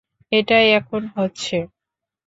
এটাই এখন হচ্ছে!